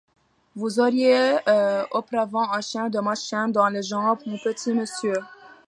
Vous auriez auparavant un chien de ma chienne dans les jambes, mon petit monsieur !